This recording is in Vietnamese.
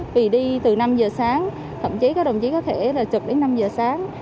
vì đi từ năm giờ sáng thậm chí các đồng chí có thể là chụp đến năm giờ sáng